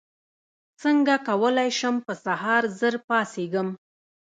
څنګه کولی شم په سهار ژر پاڅېږم